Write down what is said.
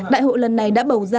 đại hội lần này đã bầu ra